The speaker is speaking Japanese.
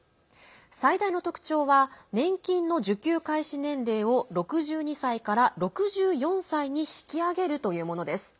最大の特徴は年金の受給開始年齢を６２歳から６４歳に引き上げるというものです。